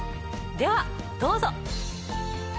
ではどうぞ。